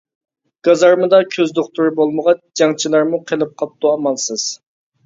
گازارمىدا كۆز دوختۇرى بولمىغاچ، جەڭچىلەرمۇ قېلىپ قاپتۇ ئامالسىز.